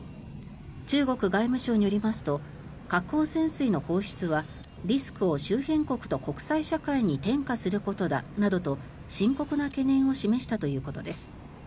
中国外務省によりますと核汚染水の放出はリスクを周辺国と国際社会に転嫁することだなどと深刻な懸念を示したということです。